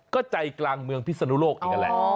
ก็ใจกลางเมืองพิศนุโลกอีกนั่นแหละ